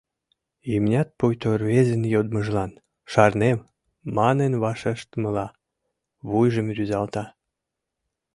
Имнят пуйто рвезын йодмыжлан, «Шарнем» манын вашештымыла, вуйжым рӱзалта.